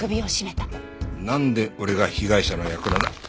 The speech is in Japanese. なんで俺が被害者の役なんだ。